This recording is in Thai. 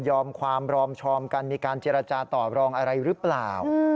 ความรอมชอมกันมีการเจรจาต่อรองอะไรหรือเปล่า